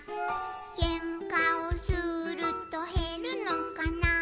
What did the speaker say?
「けんかをするとへるのかな」